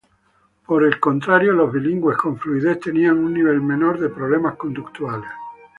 Por el contrario, los bilingües con fluidez tenían un nivel menor de problemas conductuales.